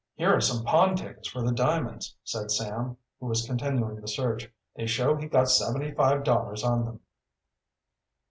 "Here are some pawn tickets for the diamonds," said Sam, who was continuing the search. "They show he got seventy five dollars on them."